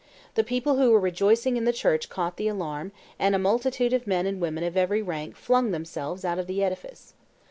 The people who were rejoicing in the church caught the alarm, and a multitude of men and women of every rank flung themselves out of the edifice.